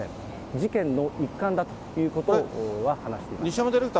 事件の一環だということは話していました。